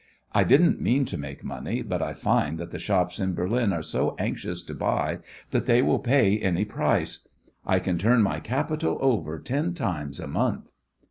I didn't mean to make money, but I find that the shops in Berlin are so anxious to buy that they will pay any price. I can turn my capital over ten times a month.